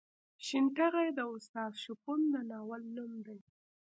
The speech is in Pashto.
شین ټاغی د استاد شپون د ناول نوم دی.